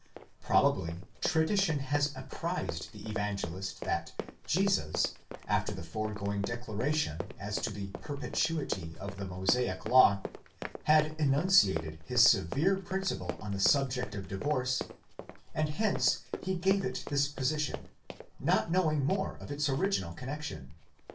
2? Probably tradition had apprized the Evangelist that Jesus, after the foregoing declaration as to the perpetuity of the Mosaic law, had enunciated his severe principle on the subject of divorce, and hence he gave it this position, not knowing more of its original connexion.